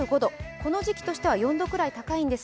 この時期としては４度くらい高いんです。